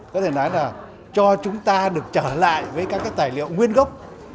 có thể nói là cho chúng ta được trở lại với các cái tài liệu nguyên gốc